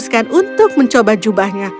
memutuskan untuk mencoba jubahnya